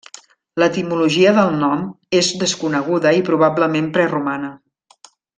L'etimologia del nom és desconeguda i probablement preromana.